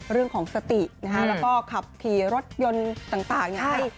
เรื่องของสติแล้วก็ขับขี่รถยนต์ต่างอย่างนี้